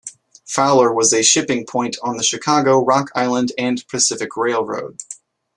Fowler was a shipping point on the Chicago, Rock Island and Pacific Railroad.